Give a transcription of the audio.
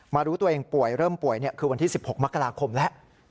รู้ตัวเองป่วยเริ่มป่วยคือวันที่๑๖มกราคมแล้ว